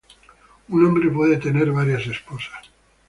Un hombre puede tener varias esposas.